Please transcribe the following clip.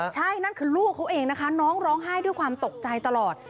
ใช่นั่นคือลูกเขาเองนะคะน้องร้องไห้ด้วยความตกใจตลอด